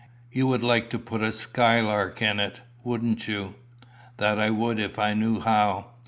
"You would like to put a skylark in it, wouldn't you?" "That I would if I knew how.